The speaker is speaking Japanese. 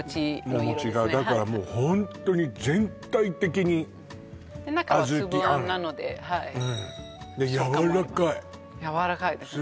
はいお餅がだからもうホントに全体的に中は粒餡なので小豆餡でやわらかいやわらかいですね